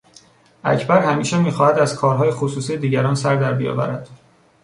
اکبر همیشه میخواهد از کارهای خصوصی دیگران سر در بیاورد.